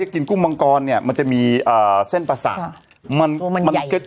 กุ้งมังกรมันจะมีเส้นปลาศักดิ์